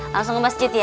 langsung ke masjid ya